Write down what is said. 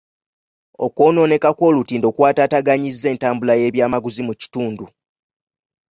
Okwonooneka kw'olutindo kwataataaganyizza entambuza y'ebyamaguzi mu kitundu.